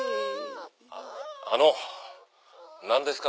あのなんですか？